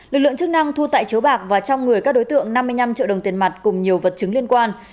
lực lượng chức năng thu tại chiếu bạc và trong người các đối tượng năm mươi năm triệu đồng tiền mặt cùng nhiều vật chứng liên quan